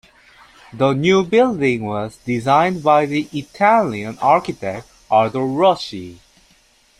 The new building was designed by the Italian architect Aldo Rossi.